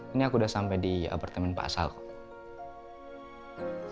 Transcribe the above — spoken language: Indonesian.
ini aku udah sampe di apartemen pak asal kok